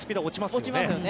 落ちますよね。